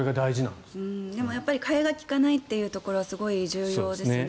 でも替えが利かないというところはすごい重要ですよね。